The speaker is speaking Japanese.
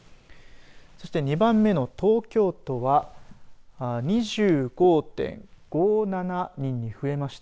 そして２番目の東京都は２５．５７人に増えました。